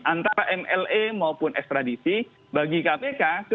antara mle maupun ekstradisi bagi kpk